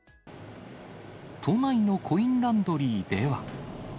都内のコインランドリーでは。